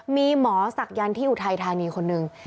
มีหมอศักยันต์ที่อุทัยธานีคนหนึ่ง